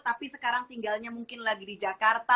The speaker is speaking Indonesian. tapi sekarang tinggalnya mungkin lagi di jakarta